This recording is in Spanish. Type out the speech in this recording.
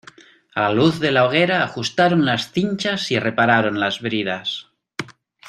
a la luz de la hoguera ajustaron las cinchas y repararon las bridas.